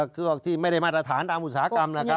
เครื่องที่ไม่ได้มาตรฐานตามอุตสาหกรรมนะครับ